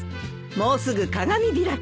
もうすぐ鏡開き。